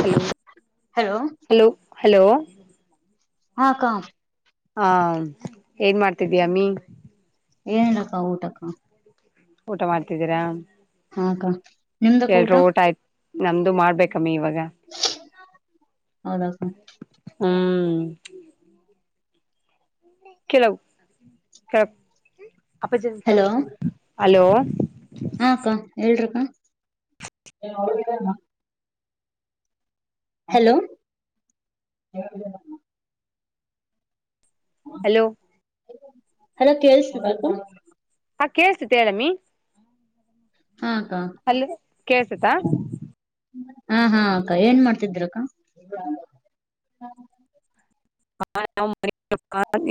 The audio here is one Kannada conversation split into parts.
ಹಲೋ ಹಲೋ ಹಲೋ--ಹಲೋ ಹಾ ಅಕ್ಕ ಹಾ ಏನ್ ಮಾಡ್ತಿದ ಅಮೆ ಏನ್ ಅಕ್ಕ ಊಟಕ್ಕ ಊಟ ಮಾಡ್ತಿದ್ದೀರಾ ಹಾ ಅಕ್ಕ ನಿಮ್ದಕ್ಕ ಊಟ ಎಲ್ರೂ ಉಟ್ಟ ಆಯ್ತು ನಮ್ದು ಮಾಡ್ಬೇಕಮ್ಮ ಇವಾಗ ಹೌದಾ ಅಕ್ಕ ಹ್ಮ್ ಕೆಲವು ಕೆ ಹಲೋ [unintelligible] ಹಲೋ ಹಾ ಅಕ್ಕ ಹೇಳರಿ ಅಕ್ಕ [unintelligible] ಹಲೋ [unintelligible] ಹಲೋ ಹೆಲೋ ಕೇಳ್ಸಡಿ ಅಕ್ಕ ಹ ಕೇಳ್ಸತಿ ಹೇಳಮ್ಮಿ ಹಾ ಅಕ್ಕ ಹಲೋ ಕೇಳ್ಸತಾ ಹಾ ಹಾ ಅಕ್ಕ ಏನ್ ಮಾಡ್ತಿದ್ರು ಅಕ್ಕ [unintelligible] [unintelligible] [inaudible]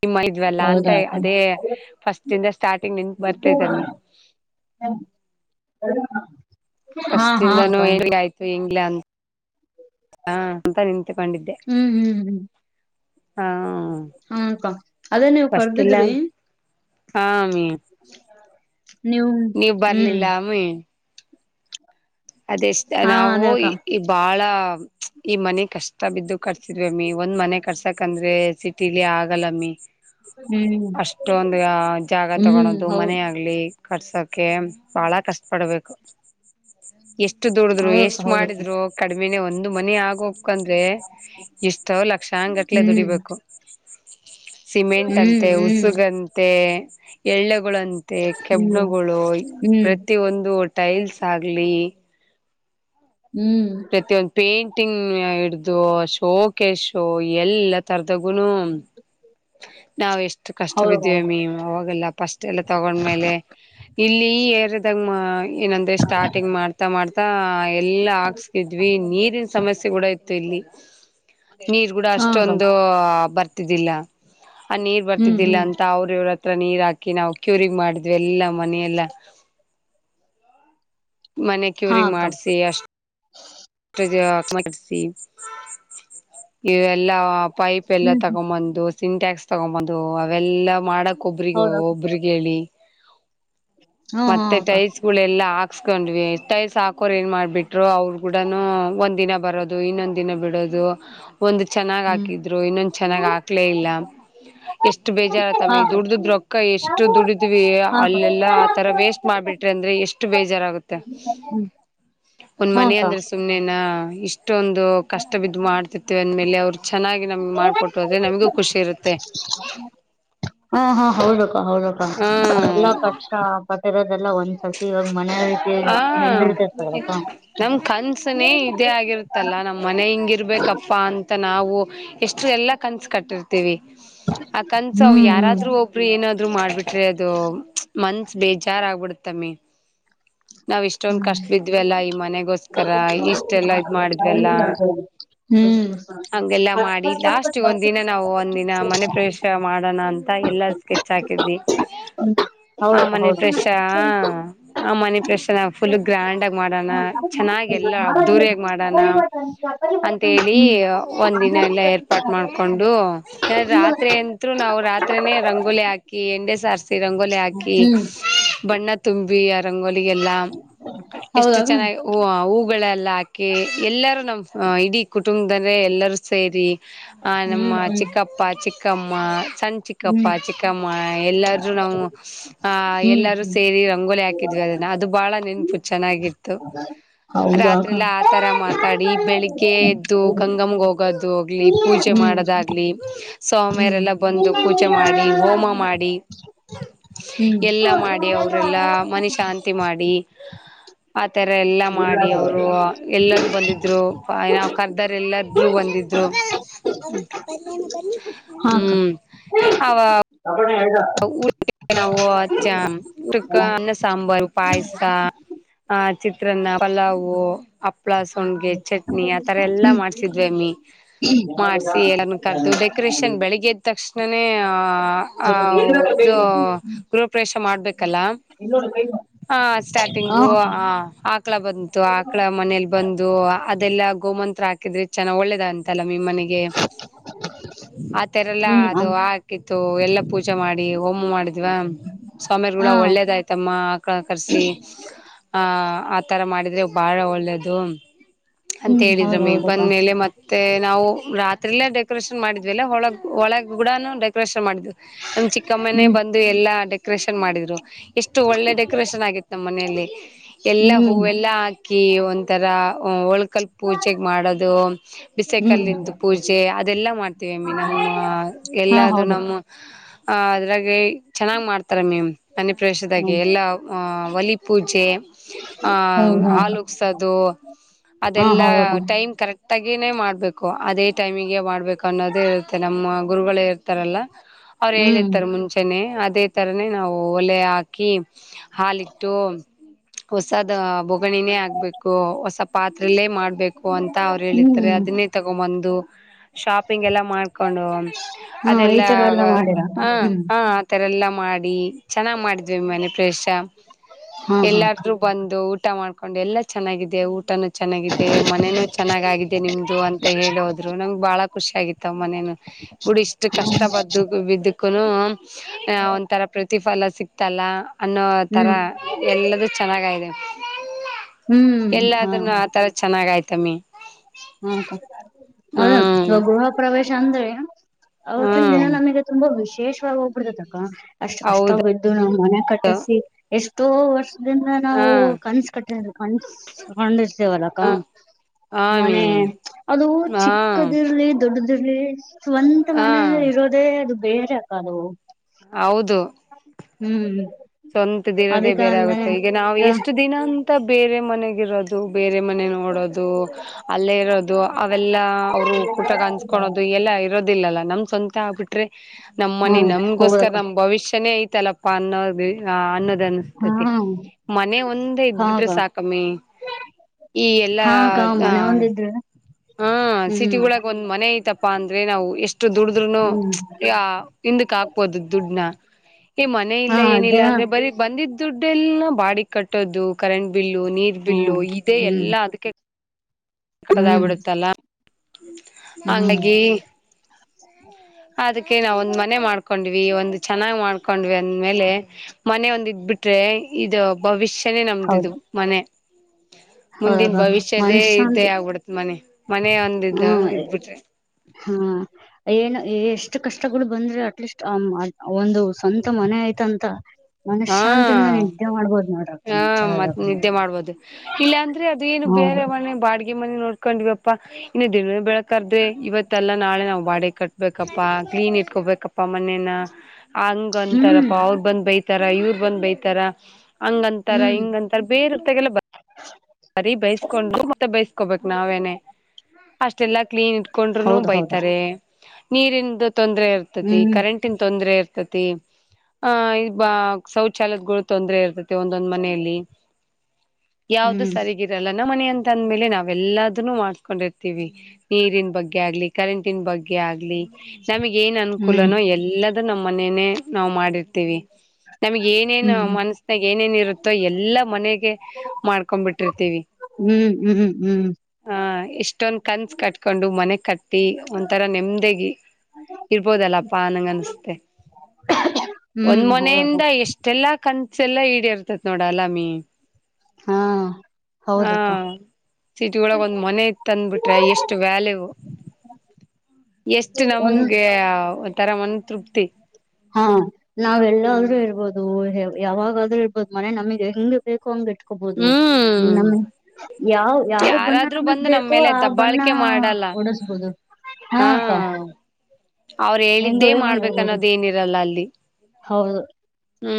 ನಿಮ್ಮ ಇದ್ವೆಲ್ಲಾ ಅಂತ ಹೌದಾ ಅಕ್ಕ ಅದೇ ಫಸ್ಟ್ದ ಸ್ಟಾರ್ಟಿಂಗ್ ನಿನ್ ಬರ್ತೇತಮ್ಮಿ [inaudible] ಹಾ ಹಾ ಅಕ್ಕ ಫಸ್ಟ್ದಾನ ಹೆಂಗ್ ಆಯ್ತು ಹೆಂಗ್ಲ [unintelligible] ಅಂತ ನಿತ್ಕೊಂಡಿದ್ದೆ ಹ್ಮ್ ಹ್ಮ್ ಹ್ಮ್ ಹ ಅಕ್ಕ ಅದೇ ನೀವು್ ಫಸ್ಟ್ ಇಲ್ಲ ಕರ್ದಿದ್ರಿ ಹಾ ಅಮ್ಮೇ ನೀವು ಹ್ಮ್ ಮೇ ಅದೆಷ್ಟ ಹಾ ನಾವು ಅದೇ ಅಕ್ಕ ಈ ಬಾಳ ಈ ಮನೆ ಕಷ್ಟ ಬಿದ್ದು ಕಟ್ಸಿದ್ವಮ್ಮಿ ಒಂದ್ ಮನೆ ಕಟ್ಸಾಕ್ಂದ್ರೆ ಸಿಟಿಲಿ ಆಗಲ್ಲಮ್ಮಿ ಹ್ಮ್ ಅಷ್ಟೊಂದು ಜಾಗ ಹ್ಮ್ ತಗಳೋದು ಹೌದ್ ಮನ ಆಗ್ಲಿ ಕಟ್ಸೋಕ ಭಾಳ ಕಷ್ಟಪಡ್ಬೇಕು ಎಷ್ಟು ದುಡಿದ್ರು ಹೌದಕ್ಕ ಎಷ್ಟ್ ಹೌದಕ್ಕ ಮಾಡಿದ್ರು ಕಡಿಮೆನೇ ಒಂದು ಮನ ಆಗೋ [unintelligible] ಇಷ್ಟ ಲಕ್ಷಾಂಗ ಗಟ್ಲೆ ಹ್ಮ್ ದುಡಿಬೇಕು ಸಿಮೆಂಟ್ ಹ್ಮ್ ಅಂತೆ ಹ್ಮ್ ಉಸುಗಂತೆ ಎಳ್ಳೆಗಳಂತೆ ಹ್ಮ್ ಕೆಬ್ಣಗಳು ಹ್ಮ್ ಪ್ರತಿ ಒಂದು ಟೈಲ್ಸ್ ಆಗ್ಲಿ ಹ್ಮ್ ಪ್ರತಿಯೊಂದು ಪೇಂಟಿಂಗ್ ಹಿಡ್ದು ಶೋಕೆ ಶೋ ಎಲ್ಲ ತರದಗುನು ನಾವ ಎಷ್ಟು ಕಷ್ಟ ಹೌದೌದ ಬಿದ್ದ್ವಿ ಹೌದು ಮೀಮ್ ಅವಾಗೆಲ್ಲ ಪಫಸ್ಟ್ ಎಲ್ಲ ತಗೊಂಡ್ಮೇಲೆ ಇಲ್ಲಿ ಏರದಾಗ ಏನಂದ್ರೆ ಸ್ಟಾರ್ಟಿಂಗ್ ಮಾಡ್ತಾ ಮಾಡ್ತಾ ಎಲ್ಲಾ ಹಾಕ್ಸ್ ಇದ್ವಿ ನೀರಿನ ಸಮಸ್ಯೆ ಕೂಡ ಇತ್ತು ಇಲ್ಲಿ [inaudible] ನೀವ್ ಕೂಡ ಹಾ ಅಕ್ಕ ಅಷ್ಟೊಂದು ಬರ್ತಿದ್ದಿಲ್ಲ. ಆ ನೀರ್ ಹ್ಮ್ ಬರ್ತಿದ್ದಿಲ್ಲ ಹ್ಮ್ ಅಂತ ಅವ್ರ ಇವ್ರ ಹತ್ರ ನೀರ್ ಹಾಕಿ ನಾವು ಕ್ಯೂರಿಂಗ್ ಮಾಡಿದ್ವಿ ಎಲ್ಲಾ ಮನೆಯೆಲ್ಲಾ. ಮನೆ ಹಾ ಕ್ಯೂರಿಂಗ ಅಕ್ಕ ಮಾಡ್ಸಿ ಅಷ್ಟೆ ಇಲ್ಲಾ [unintelligible] ಪೈಪ್ ಎಲ್ಲ ಹ್ಮ್ ಹ್ಮ್ ತಗೊಂಬಂದು ಸಿಂಟ್ಯಾಕ್ಸ್ ತಗೊಂಬಂದು ಅವೆಲ್ಲಾ ಮಾಡಕ್ ಒಬ್ರಿಗೆ ಹೌದ ಒಬ್ರಿಗೆ ಹೇಳಿ ಹಾ ಹಾ ಮತ್ತೆ ಅಕ್ಕ ಟೈಲ್ಸ್ [unintelligible] ಗಳೆಲ್ಲ ಹಾಕ್ಸ್ಕೊಂಡ್ವಿ ಟೈಲ್ಸ್ ಹಾಕೋರ್ ಏನ್ ಮಾಡ್ಬಿಟ್ರು ಅವ್ರು ಕೂಡನು ಒಂದ್ ದಿನ ಬರೋದು ಇನ್ನೊಂದ್ ದಿನ ಬಿಡೋದು. ಒಂದ್ ಚೆನ್ನಾಗ್ ಹ್ಮ್ ಹಾಕಿದ್ರು ಇನ್ನೊಂದ ಚೆನ್ನಾಗ್ ಹಾಕ್ಲೇ ಇಲ್ಲ. ಎಷ್ಟು ಬೇಜಾರತ ಹಾ ಮ ಅಕ್ಕ ದುಡ್ದದ್ರೊಕ್ಕ ಎಷ್ಟು ದುಡಿದ್ವಿ ಹಾ ಅಕ್ಕ ಅಲ್ಲೆಲ್ಲ ಆ ತರ ವೇಸ್ಟ್ ಮಾಡ್ಬಿಟ್ರೆ ಅಂದ್ರೆ ಎಷ್ಟು ಬೇಜಾರಾಗುತ್ತೆ ಹ್ಮ್ ಒಂದ್ ಹಾ ಮನೆ ಅಕ್ಕ ಅಂದ್ರೆ ಸುಮ್ನೆನಾ ಇಷ್ಟೊಂದು ಕಷ್ಟ ಬಿದ್ದು ಮಾಡ್ತಿತೀವಿ ಅಂದ್ಮೇಲೆ ಅವ್ರ ಚೆನ್ನಾಗಿ ನಮ್ಗೆ ಮಾಡಿಕೊಟ್ಟ್ರುಅ ದೆನಮಗೂ ಖುಷಿ ಇರುತ್ತೆ. ಹಾ ಹಾ, ಹೌದಕ್ಕ ಹೌದಕ್ಕ ಹಾ ಅದೆಲ್ಲಾ ಕಷ್ಟ ಕಟ್ಟಿರೋದೆಲ್ಲ ಒಂದ್ಸರ್ತಿ ಇವಾಗ ಮನೆ ರೀತಿ ಹಾ ನೆಂದಿರ್ತ [unintelligible] ಮನೆಇದೇ ಆಗಿರುತ್ತಲ್ಲ ನಮ್ಮ ಮನೆ ಹಿಂಗಿರ್ಬೇಕಪ್ಪಾ ಅಂತ ನಾವು ಎಷ್ಟ್ರ ಎಲ್ಲ ಕನ್ಸು ಕಟ್ಟಿರ್ತಿವಿ. ಆಕನ್ಸವು ಹ್ಮ್ ಹ್ಮ್ ಯಾರಾದ್ರೂ ಒಬ್ಬ - ಒಬ್ರು ಏನಾದ್ರು ಮಾಡಬಿಟ್ರಿ ಅದು ಮನ್ಸ ಬೇಜಾರ್ ಆಗ್ಬಿಡತ್ತಮ್ಮಿ. ನಾವ್ ಇಷ್ಟೊಂದ ಹ್ಮ್ ಕಷ್ಟ ಬಿದ್ವೆಲ್ಲಾ ಈ ಮನೆಗೋಸ್ಕರ ಇಷ್ಟೆಲ್ಲಾ ಇದ್ ಮಾಡಿದ್ವೆಲ್ಲ. ಹ್ಮ್ ಹಂಗೆಲ್ಲಾ ಮಾಡಿ ಲಾಸ್ಟ್ ಒಂದಿನ ನಾವು ಒಂದಿನ ಮನೆ ಪ್ರವೇಶ ಮಾಡೋಣ ಅಂತ ಎಲ್ಲ ಸ್ಕೆಚ್ ಹಾಕಿದ್ವಿ ಆ ಹೌದು ಮನೆ ಹೌದು ಪ್ರವೇಶ ಆ ಮನೆಪ್ರವೇಶಫುಲ್ ಗ್ರ್ಯಾಂಡ್ ಆಗ ಮಾಡೋಣ ಚೆನ್ನಾಗ ಎಲ್ಲ ಅದ್ದೂರಿಯಾಗಿ ಮಾಡಣ. [inaudible] ಅಂತೇಳಿ ಒಂದಿನ ಎಲ್ಲ ಏರ್ಪಾಟ್ ಮಾಡಿಕೊಂಡು. ನಿನ್ನೆ ರಾತ್ರಿ ಅಂತು ನಾವು ರಾತ್ರಿನೇ ರಂಗೋಲಿ ಹಾಕಿ ಎಂಡೆ ಸಾರಸಿ ರಂಗೋಲಿ ಹಾಕಿ ಹ್ಮ್ ಬಣ್ಣ ತುಂಬಿ ರಂಗೋಲಿಯೆಲ್ಲಾ ಎಷ್ಟು ಹೌದಾಗ ಚೆನ್ನಾಗಿ ಹೂಗಳೆಲ್ಲ ಹಾ ಹಾಕಿಎಲ್ಲಾರೂ ನಮ್ಮ್ ಇಡೀ ಕುಟುಂಬದವರೆ ಎಲ್ಲರೂ ಸೇರಿ ಆ ನಮ್ಮ ಹ್ಮ್ ಹ್ಮ್ ಚಿಕ್ಕಪ್ಪ ಪ್ಪ ಚಿಕ್ಕಮ್ಮ ಸಣ್ ಚಿಕ್ಕಪ್ಪ- ಹ್ಮ್ ಚಿಕ್ಕಮ್ಮ ಎಲ್ಲಾರೂ ನಾವು ಆ ಹ್ಮ್ ಎಲ್ಲಾರೂ ಹ್ಮ್ ಸೇರಿ ರಂಗೋಲಿ ಹಾಕಿದ್ವಿ ಅದನ್ನ ಅದು ಬಾಳ ನೆನ್ಪು ಚೆನ್ನಾಗಿತ್ತು. ಹೌದಾಗ ಎಲ್ಲ ಹ್ಮ್ ಆತರ ಮಾತಾಡಿ ಬೆಳಿಗ್ಗೆ ಎದ್ದು ಹ್ಮ್ ಗಂಗಮ್ಗೆ ಹೋಗೋದು. ಆಲಿ ಪೂಜೆ ಮಾಡೋದಾಗ್ಲಿ ಸಾವಾಮ್ಯರೆಲ್ಲ ಬಂದು ಪೂಜೆ ಮಾಡಿ ಹೋಮ ಮಾಡಿ- ಹ್ಮ್, ಅವರೆಲ್ಲ ಮನಿ ಶಾಂತಿ ಮಾಡಿ ಆ ತರ ಎಲ್ಲಾ ಮಾಡಿ ಅವರು ಎಲ್ಲಾರೂ ಬಂದಿದ್ರು ನಾವ್ ಕರ್ದರ್ ಎಲ್ಲಾದರು ಬಂದಿದ್ರು. ಹ್ಮ ಅವ [unintelligible] ಅ ಹೇಳಗಾ [inaudible] ಉವು ಉಕ ಸಾಂಬಾರ ಪಾಯಸಕ [unintelligible] ಹ ಚಿತ್ರಾನ್ನ ಪಲಾವು ಹಪ್ಳ ಸೊಂಡ್ಗೆ ಚಟ್ನಿ ಆತರ ಎಲ್ಲಾ ಹ್ಮ್ ಮಾಡ್ತಿದ್ವಿ ಅಲ್ಲಿ. ಇನ್ನೊಂದು ಮಾಡ್ಸಿ ಎಲ್ಲನ್ನು ಕರೆದು ಡೆ ಕೂಡ ಕೈಗೆಕೋರೇಷನ್ ಬೆಳಿಗ್ಗೆ ಎದ್ದ ತಕ್ಷಣನೇ ಆ ಸರ್ ಬನ್ನಿ. ದು ಗೃಹಪ್ರವೇಶ ಮಾಡ್ಬೇಕಲ್ಲ. ಕೈ ಮಾಡಿ. ಹ ಹಾ ಸ್ಟಾರ್ಟಿಂಗು ಅಕ್ಕ ಆ ಆಕಳ ಬಂತು ಆಕಳ ಮನೇಲಿ ಬಂದು ಅದೆಲ್ಲಾ ಗೋಮಂತ್ರ ಹಾಕಿದ್ರೆ ಚೆನ್ನ ಒಳ್ಳೇದ ಅಂತಲ್ಲ ನಿ ಮನೆಗ್ ಗೆ ಆ ತರಲ್ಲ ಹ್ಮ್ ಅದು ಅನ್- ಹಾಕಿತ್ತು ಎಲ್ಲ ಪೂಜ್ ಜೆ ಮಾಡಿ ಹೋಮ ಮಾಡಿದ್ವ ಸ್ವಾಮಿಯಾರ್ ಕೂಡಾ ಹಾ ಒಳ್ಳೇದಾಯ್ತಮ್ಮ ಆಕಳ ಕರ್ಸಿ ಹ ಆ ತರ ಮಾಡಿದ್ರೆ ಬಹಳ ಒಳ್ಳೇದು ಅಂತ ಹ್ಮ್ ಹೇಳಿದ್ರ ಹೌದು ಮಿ ಹೌದಕ್ಕ ಬಂದ ಮೇಲೆ ಮತ್ ತ್ತೆ ನಾವು ರಾತ್ರಿಲ್ಲೇ ಡೆಕೋರೇಷನ್ ಮಾಡಿದ್ವಿಲ್ಲ ಒಳಗ್ ಒಳಗ ಗೂಡನು ಡೆಕೋರೇಷನ್ ಮಾಡಿದ್ವಿ. ನಮ್ ಚಿಕ್ಕಮ್ಮನೇ ಹ್ಮ್ ಬಂದು ಎಲ್ಲಾ ಡೆಕೋರೇಷನ್ ಮಾಡಿದ್ರು. ಎಷ್ಟು ಒಳ್ಳೆ ಡೆಕೋರೇಷನ್ ಆಗಿತ್ತು ನಮ್ಮ ಮನೆಯಲ್ಲಿ ಎಲ್ಲಾ ಹ್ಮ್ ಹೂವೆಲ್ಲಾ ಕಿ ಒಂಥರ ಒರಳು ಕಲ್ ಪೂಜೆಗೆ ಮಾಡೋದು ಬಿಸೆ ಹ್ಮ್ ಕಲ್ಲಿಂದು ಪೂಜೆ ಅದೆಲ್ಲಾ ಮಾಡ್ತೀವಮ್ಮಿ ನಮ್ಮ ಹಾ ಎಲ್ಲಾದು ಹೌದು ನಮ್ ಹ ಅದ್ರಾಗಿ ಚೆನ್ನಾಗ್ ಮಾಡ್ತಾರ ಮೇಮ್. ಮನಿ ಪ್ರವೇಶದಾಗೆ ಹ್ಮ್ ಎಲ್ಲ ಆ ಒಲಿ ಪೂಜೆ ಆ ಹೌದು ಹ್ಮ್ ಹಾಲು ಅಕ್ಕ ಉಕ್ಸೂದು ಹಾ ಅದೆಲ್ಲಾ ಹೌದಕ್ಕ ಟೈಮ್ ಕರೆಕ್ಟ್ ಟಾಗಿನೇ ಮಾಡ್ಬೇಕು ಅದೇ ಟೈಮಿಗೆ ಮಾಡ್ಬೇಕು ಅನ್ನೋದೇ ಇರುತ್ತೆ ನಮ್ಮ ಗುರುಗಳೇ ಇರ್ತಾರಲ್ಲ ಅವ್ರು ಹ್ಮ್ ಹೇಳಿರ್ತಾರೆ ಮುಂಚೆನೆ ಅದೇ ಥರನೇ ನಾವು ಒಲೆ ಹಾಕಿ ಹಾಲಿಟ್ಟು ಹೊಸದ ಬೊಗಣಿನೇ ಆಗ್ಬೇಕು ಹೊಸ ಪಾತ್ರಲ್ಲೇ ಮಾಡ್ಬೇಕು ಅಂತ ಅವ್ರು ಹೇಳಿ ತಾರೆ ಹ್ಮ್ ಅದನ್ನೇ ತಗೊಂಬಂದು ಶಾಪಿಂಗ್ ಎಲ್ಲ ಮಾಡ್ಕೊಂಡು ಹಾ ಈ ಅದೆಲ್ಲಾ ತರ ಆಗ ಎಲ್ಲ ಮಾಡಿರಕ್ಕ ಹ್ಮ್ ಆ ತರ ಎಲ್ಲ ಮಾಡಿ ಚೆನ್ನಾಗ್ ಮಾಡಿದ್ವಿ ಮನೆ ಪ್ರವೇಶ ಹಾ ಹಾ ಅಕ್ಕ ಎಲ್ಲಾರೂ ಬಂದು ಊಟ ಮಾಡ್ಕೊಂಡು ಎಲ್ಲ ಚೆನ್ನಾಗಿದೆ ಊಟನೂ ಚೆನ್ನಾಗಿದೆ ಮನೇನು ಚೆನ್ನಾಗಾಗಿದೆ ನಿಮ್ದ ಅಂತ ಹೇಳೋದ್ರು ನಂಗ್ ಭಾಳ ಖುಷಿ ಆಗತ್ತಾವ ಮನೇನು ಬುಡ್ ಇಷ್ಟು ಕಷ್ಟ ಬದ್ ಬಿದ್ ಕೂನು ಒಂಥರ ಪ್ರತಿಫಲ ಸಿಕ್ತಲ್ಲ ಅನ್ನೋ ತರ ಹ್ಮ್ ಎಲ್ಲದು ಚೆನ್ನಾಗಾಗಿದೆ. ಹ್ಮ್ ಎಲ್ಲಾದ್ರನು ಆ ತರ ಚೆನ್ನಾಗ್ ಆಯ್ತಮ್ಮಿ. ಹೌದಾ ಹ್ಮ್ ಅದೇ ಗೃಹ ಪ್ರವೇಶ ಅಂದ್ರೆ ಅವತ್ತಿನ ದಿನ ಹ್ಮ್ ನಮಗೆ ತುಂಬಾ ವಿಶೇಷವಾಗಿ ಹೋಗ್ಬಿಡ್ತೈತಕ್ಕ. ಅಷ್ಟು ಕಷ್ಟ ಹೌದು ಬಿದ್ದು ನಾವ್ ಮನೆ ಕಟ್ಟಸಿ ಎಷ್ಟೋ ವರ್ಷ ಇದ್ರಂದ ಹಾ ನಾವು ಕನ್ಸ ಕಟ್ಟ ಕನ್ ಕಂಡಿರ್ತೇವಲ್ಲಕಾ ಹ ಹಾ ಮನೆ ಮ್ಯಾಮ್ ಅದು ಚಿಕ್ಕದಿರ್ಲಿ ದೊಡ್ಡದಿರಲಿ ಸ್ವಂತ ಹಾ ಹಾ ಮನೆಯಲ್ಲಿ ಇರೋದೇ ಅದು ಬೇರೆ ಅಕ್ಕ ಅದು. ಹೌದು. ಹ್ಮ್. ಸ್ವಂತದ್ ಇರೋದೇ ಅದಕ್ಕ ಬೇರೆ ಆಗುತ್ತೆ ಅಂದಾನೆ ಈಗ ನಾವು ಎಷ್ಟು ದಿನ ಅಂತ ಬೇರೆ ಮನೆಗಿರೋದು ಬೇರೆ ಮನೆನು ನೋಡೋದು ಅಲ್ಲೇ ಇರೋದು ಅವೆಲ್ಲ ಅವರು ಕೂಟಗ್ ಅಂಸ್ಕೊಳ್ಳೋದು ಎಲ್ಲಾ ಇರ್ ರೋದಿಲ್ಲಲ್ಲಾ ನಮ್ ಸ್ವಂತ ಆಗ್ಬಿಟ್ರೆ ನಮ್ ಮನೆ ಹ್ಮ್ ನಮ್ಗೋಸ್ಕರ ಹೌದಕ್ಕ ನಮ್ ಭವಿಷ್ಯನೇ ಐತಲ್ಲ ಅ ಅನ್ನೋದು ಆ ಅನ್ನೋದನ್ನ ಹಾ ತತಿ ಮನೆ ಒಂದೆ ಇದ್ಬಿಟ್ರೆ ಹಾಗ ಸಾಕಮ್ಮಿ. ಈ ಎಲ್ಲಾ ಹಾಗ ಆ ಮನೆ ಒಂದಿದ್ರೆ ಹಾ ಸಿಟಿ ಹ್ಮ್ ಒಳಗ್ ಒಂದ್ ಮನೆ ಐತಪ್ಪಾ ಅಂದ್ರೆ ನಾವು ಎಷ್ ಟ್ ದುಡಿದ್ರುನು ಹ್ಮ್ ಯ ಹಿಂದಕ್ ಹಾಕ್ಬೋದು ದುಡ್ನ ಈ ಮನೆ ಹಾ ಇಲ್ಲ ಏನಿಲ್ಲ ದಿನ ಅಂ ಬರೆ ಬಂದಿದ್ದ ದುಡ್ಡೆ ಎಲ್ಲ ಬಾಡಿ ಕಟ್ಟೋದು ಕರೆಂಟ್ ಬಿಲ್ಲು ನೀರ್ ಬಿಲ್ಲು ಹ್ಮ್ ಇದೆ ಹ್ಮ್ ಎಲ್ಲ ಅದಕ್ಕೆ ಹ್ಮ್ ಕಟ್ಟೋದಾಗಬಿಡುತ್ತಲ್ಲ ಹ್ಮ್ ಹಂಗಾಗಿ ಅದಕ್ಕೆ ನಾವು ಒಂದ ಮನೆ ಮಾಡ್ಕೊಂಡ್ವಿ ಒಂದ ಚೆನ್ನಾಗ ಮಾಡ್ಕೊಂಡ್ವಿ ಅಂದ್ಮೇಲೆ. ಮನೆ ಒಂದ ಇದ್ಬಿಟ್ರೆ ಇದು ಭವಿಷ್ಯನೇ ನಮ್ದಿದು ಹೌದು ಮನೆ. ಮುಂದಿನ ಹೌದ ಭವಿಷ್ಯದೇ. ಮನಶಾಂತಿ ಹೊಬಿಡತ್ ಮನೆ ಮನೆ ಒಂದ ಇದ ಇದ್ ಬಿಟ್ರ. ಹಾ ಏನು ಎಷ್ಟ ಕಷ್ಟಗಳು ಬಂದ್ರೆ ಅಟ್ಲೀಸ್ಟ್ ಒಂದು ಸ್ವಂತ ಮನೆ ಆಯ್ತಂತ. ಹಾ ಮನಶಾಂತಿಯಿಂದ ನಿದ್ದೆ ಮಾಡ್ಬೋದು ನೋಡ್ರಪ್ಪ ಹಾ ಮತ್ ನಿಜ್ಜಾಹೇಳ್ಬೇಕಂದ್ರ. ನಿದ್ದೆ ಮಾಡ್ಬೋದು ಇಲ್ಲ ಅಂದ್ರೆ ಅದು ಏನು ಬೇರೆ ಮನೆ ಬಾಡಿಗೆ ಮನೆ ನೋಡ್ಕೊಂಡ್ವಪ್ಪಾ. ಇನ್ನು ದಿನ ಬೆಳಕಹದ್ರೆ ಇವತ್ತಲ್ಲಾ ನಾಳೆ ನಾವು ಬಾಡಗೆ ಕಟ್ಬೇಕಪ್ಪಾ ಕ್ಲೀನ್ ಇಟ್ಕೊಬೇಕಪ್ಪ. ಪ್ಪ ಮನೆನಾ. ಹಂಗ ಅಂತಾರಪ ಹ್ಮ್ ಅವರ ಬಂದ್ ಬೈತಾರ ಇವರ ಬಂದ್ ಬೈತಾರ ಹಂಗಂತಾರ ಹ್ಮ್ ಹಿಂಗಂತ. ರ ಬೇರೆಹೂತ್ತಾಗೆಲ್ಲ ಬ್ ಬರಿ ಬೈಸ್ಕೊಂಡು ಮತ್ತೆ ಬೈಸ್ಕೋಬೇಕ್ ನಾವೇನೇ ಅಷ್ಟೆಲ್ಲಾ ಕ್ಲೀನ್ ಇಟ್. ಕೊಂಡ್ರು ಹೌದು ಹೌದು ಬೈತಾರೆ ನೀರಿಂದ ತೊಂದರೆ ಇರ್ತತಿ ಹ್ಮ್ ಕರೆಂಟ್. ಟ್ಟಿಂದ ತೊಂದ್ರೆ ಇರ್ತತಿ. ಆ ಈ ಬ ಶೌಚಾಲಯದಗಳು ತೊಂದ್ರೆ ಇರ್ತತಿ ಒಂದೊಂದ್ ಮನೆಯಲ್ಲಿ. [inaudible] ಯಾವ್ದು ಸರಿಗಿರಲ್ಲಾ ನಮ್ಮ ಮನೆ ಅಂತ ಅಂದ್ಮೇಲೆ ನಾವೆಲ್ಲಾದನು ಮಾಡ್ಕೊಂಡಿರ್ತೀವಿ. ನೀರಿನ ಬಗ್ಗೆ ಆಗ್ಲಿ ಕರೆಂಟನ್ ಬಗ್ಗೆ ಆಗ್ಲಿ ನಮಗ ಏನ್ ಹ್ಮ್ ಅನುಕೂಲನೋ ಎಲ್ಲದ. ಅದು ನಮ್ಮ ಮನೇನೇ ನಾವ್ ಮಾಡಿರ್ತೀವಿ. ನಮಗೆ ಏನೇನೋ ಹ್ಮ್ ಮನಸನ್ಯಾಗ ಏನೇನೋ ಇರುತ್ತೋ ಎಲ್ಲಾ ಮನೆಗೆ ಮಾಡ್ಕೊಬಿಟ್. ಹು ಹು ಹು ಹ ಇಷ್ಟೊಂದ ಕನ್ಸ್ ಕಟ್ಕೊಂಡು ಮನೆ ಕಟ್ಟ್. ಟ್ಟಿ ಒಂಥರಾ ನೆಮ್ಮದಿಗಿ ಇರ್ಬೋದಲ್ಲಪ್ಪಾ ಅನಂಗ ಅನಸ್ತೆ. ಒಂದ ಹ್ಮ್ ಹೌದಕ್ಕ ಮನೆಯಿಂದ ಎಷ್ಟೆಲ್ಲಾ ಕನ್ಸ ಎಲ್ಲಾ ಈಡೆರ್ತತ್ ನೋಡ ಅಲ್ಲಾಮ್ಮಿ. ಹಾ ಹಾ ಹೌದಕ್ಕ ಸಿಟಿ ಒಳಗ ಒಂದ್ ಮನೆ ಇತ್ತ ಅಂದ್ಬಿಟ್ರೆ ಎಷ್ಟು ವ್ಯಾಲ್ಯವು. ಎಷ್ಟು ಒಂದ್ ನಮ್ಗೆ ಒಥರಾ ಮನ್ ತೃಪ್ತಿ. ಹಾ ನಾವೆಲ್ಲೂದ್ರು ಇರ್ಬೋದು ಯಾವಾಗಾದ್ರೂ ಇರ್ಬೋದು ಮನೆ ನಮಗೆ ಹೆಂಗೆ. ಬೇಕೋ ಹಂಗ ಇಟ್ಕೊಬಹುದು ಹ್ಮ್ ನಮ್ಮ ಯಾವ ಯಾವ ಬಣ್ಣ ಯಾರಾದ್ರೂ ನಮಗ ಬಂದು ನಮ್ ಬೇಕೋ ಮೇಲೆ ಆ ಬಣ್ಣಾ ದಬ್ಬಾಳಿಕೆ ಮಾಡಲ್ಲ ಹೂಡಸ್ಬೋದು. ಹಾ ಅವರ ಹೆಂಗ ಹೇಳಿದ್ದೇ ಬೇಕಂಗ ಇರ್ಬೋದು ಮಾಡ್ಬೇಕನ್ನೋದ ಏನ ದಲ್ಲಾ ಅಲ್ಲಿ ಹೌದು ಹು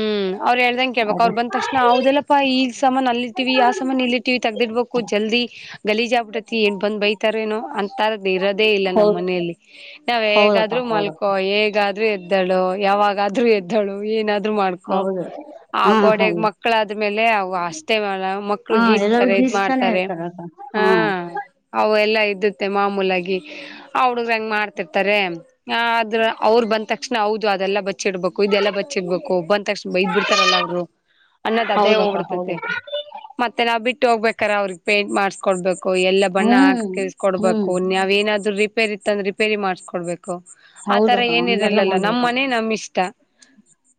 ಅವರ ಹೇಳ್ದಂ ಕೇಳ್ಬೇಕ ಅದೇ ಅವರ ಬಂದ ತಕ್ಷಣ ಹದೆಲ್ಲಪ್ಪಾ ಈ ಈ ಸಮಾನ ಅಲ್ಲಿಟ್ಟಿವಿ ಆ ಸಮಾನ ಇಲ್ಲಿಟ್ಟಿವಿ ತೆಗ್ದಿಡ್ಬೇಕು ಜಲ್ದಿ. ಗಲೀಜ ಆಬಿಟ್ಟೈತಿ ಏನು ಬಂದು ಬೈತಾರೇನೋ ಅಂಥಾದ ಇರೋದೇ ಇಲ್ಲಾ ನಮ್ಮ ಹೌದ್ ಮನೆಯಲ್ಲಿ. ನಾವ ಹೌದಕ್ಕ ಹೇಗಾದ್ರು ಹೌದಕ್ಕ ಮಲ್ಕೊ ಹೇಗಾದ್ರು ಎದ್ದಳು. ಯಾವಾಗ ಆದ್ರೂ ಎದ್ದಳು ಏನಾದ್ರು ಮಾಡ್ಕೊ ಹೌದು ಆ ಹಾ ಗೋಡೆಗ್ ಹೌದು ಮಕ್ಳ ಆದ್ಮೇಲೆ ಅವ ಅಷ್ಟೇವಲ್ಲಾ ಮಕ್ಳು ಹಾ ಎಲ್ಲಾರೂ ಗೀಸ್ತಾರೆ ಇದ ಗೀಸ್ತಾನೆ ಮಾಡ್ತಾರೆ. ಇರ್ತಾರಕ್ಕ ಹಾ ಅವು ಎಲ್ಲಾ ಇದ್ದದ್ದೆ ಮಾಮೂಲಾಗಿ ಆ ಹುಡ್ಗ್ರ ಹಂಗ ಮಾಡ್ತಿರ್ತಾರೆ. ಹಾ ಆದ್ರ ಅವರ ಬಂದ ತಕ್ಷಣ ಹೌದು ಅದೆಲ್ಲಾ ಬಚ್ಚಿ ಇಡ್ಬೇಕು ಇದೆಲ್ಲಾ ಬ ಚ್ಚಿಡಬೆಕು ಬಂದ ತಕ್ಷಣ ಬೈದ ಬಿಡ್ತಾರಲ್ಲ ಅವರು ಅನ್ನದ್ ಅದೇ ಹೌದಕ್ಕ ಹೋಗ್ಬಿಡ್ತತೆ. ಹೌದಕ್ಕ ಮತ್ತೆ ನಾವ್ ಬಿಟ್ಟು ಹೋಗ್ಬೇಕಾರ ಅವರಿಗ ಪೇಂಟ್ ಮಾಡಸ್ಕೊಡ್ಬೇಕು ಎಲ್ಲ ಬಣ್ಣ ಹ್ಮ್ ಹ್ಮ್ ಹಾಕಕಿಸ್ಕೊಡ್ಬೇಕು ನ್ಯಾವ್ ಏನಾದ್ರು ರಿಪೇರ್ ಇತ್ತ ಅಂದ್ರ ರಿಪೇರಿ ಮಾಡ್ಸ್ಕೊಡ್ಬೇ ಕು ಆತರ ಹೌದಕ್ಕ ಹಂಗೆಲ್ಲ ಏನಿರಲ್ಲಲ್ಲ ಮಾಡ್ಬೇಕು ನಮ್ಮನೆ ನಮ್ಮ ಇಷ್ಟ.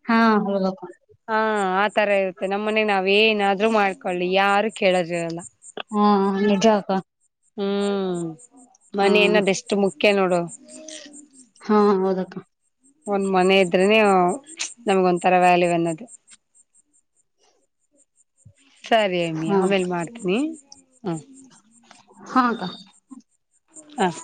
ಹಾ ಹೌದಮ್ಮ. ಹಾ ಆತರ ಇರುತ್ತೆ ನಮ್ಮನೆ ನಾವ್ ಏನಾದ್ರರು ಮಾಡ್ಕೊಳ್ಳಿ ಯಾರು ಕೆಳರ್ರಿರಲ್ಲಾ. ಹಾ ನಿಜಾ ಅಕ್ಕಾ ಹುಂ ಮನಿ ಎನ್ನೋದ ಎಷ್ಟು ಮುಖ್ಯಾ ನೋಡು. ಹಾ ಹೌದ ಅಕ್ಕಾ ಒಂದ್ ಮನೆ ಇದ್ರೆನೆ ನಮಗ ಒಂಥರ ವ್ಯಾಲ್ಯೂವ ಅನ್ನೋದು. ಸರಿ ಅಮ್ಮಿ ಹಾ ಆಮೇಲ್ ಮಾಡ್ತೀನಿ ಹ್ಮ. ಹಾ ಅಕ್ಕಾ. ಹಾ